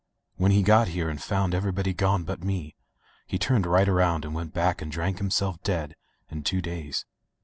When he got here and found everybody gone but me he turned right around and went back and drank himself dead in two days.